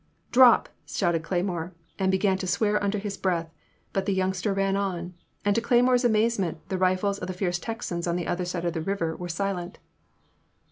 Drop!" shouted Cleymore, and began to swear under his breath, but the youngster ran on, and to Cleymore's amazement, the rifles of the fierce Texans on the other side of the river were silent.